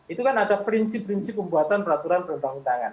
itu kan ada prinsip prinsip pembuatan peraturan perundang undangan